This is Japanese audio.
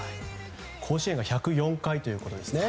甲子園が１０４回ということですね。